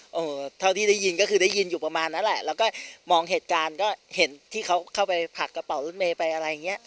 เออเท่าที่ได้ยินก็คือได้ยินอยู่ประมาณนั้นแหละแล้วก็มองเหตุการณ์ก็เห็นที่เขาเข้าไปผลักกระเป๋ารถเมย์ไปอะไรอย่างเงี้ย